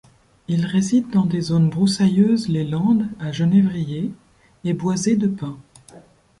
Il réside dans des zones broussailleuses les landes à genevrier et boisées de pins.